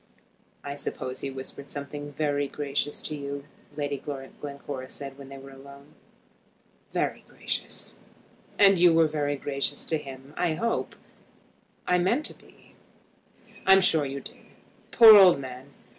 "I suppose he whispered something very gracious to you," Lady Glencora said when they were alone. "Very gracious." "And you were gracious to him, I hope." "I meant to be." "I'm sure you did. Poor old man!